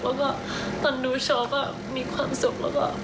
แล้วก็ตอนดูโชว์ก็มีความสุขแล้วก็